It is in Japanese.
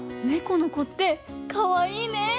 この子ってかわいいね！